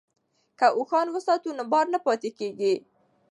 که اوښان وساتو نو بار نه پاتې کیږي.